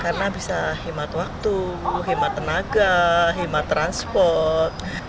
karena bisa himat waktu himat tenaga himat transport